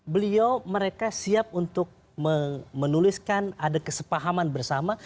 beliau mereka siap untuk menuliskan ada kesepahaman bersama